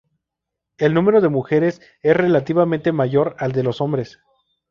El número de mujeres es relativamente mayor al de los hombres.